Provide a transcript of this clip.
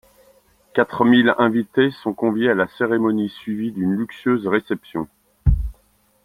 Quatre mille invités sont conviés à la cérémonie suivie d'une luxueuse réception.